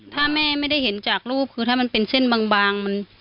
ถ้าแม่ไม่ได้เห็นจากรูปคือถ้ามันเป็นเส้นบางมัน